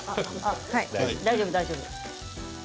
大丈夫、大丈夫。